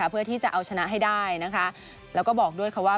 เพื่อที่จะเอาชนะให้ได้นะคะแล้วก็บอกด้วยค่ะว่า